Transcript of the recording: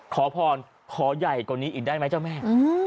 ขอพรขอใหญ่กว่านี้อีกได้ไหมเจ้าแม่